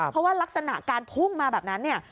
เพราะว่ารักษณะการพุ่งมาแบบนั้นเนี่ย